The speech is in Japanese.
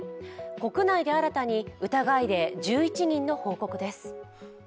国内で新たに疑い例１１人の報告です。